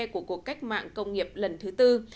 của cuộc cách mạng công nghiệp lần thứ tư